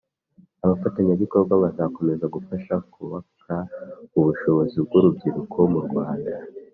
Abafatanyabikorwa bazakomeza gufasha kubaka ubushobozi bw urubyiruko murwanda